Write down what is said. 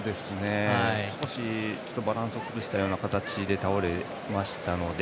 少しバランスを崩したような形で倒れましたので。